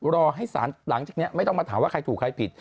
รอให้สารหลังจากนี้ไม่ต้องมาถามว่าใครถูกใครผิด